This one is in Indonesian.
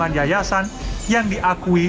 nah ini adalah persoalan pendidikan yang diakui